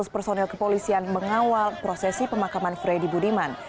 seratus personil kepolisian mengawal prosesi pemakaman freddy budiman